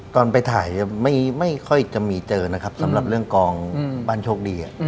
ตอนไปถ่ายไม่ค่อยจะมีเจอนะครับสำหรับเรื่องกองบ้านโชคดี